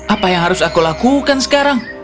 apa yang harus aku lakukan sekarang